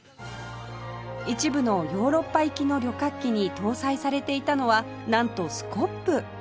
一部のヨーロッパ行きの旅客機に搭載されていたのはなんとスコップ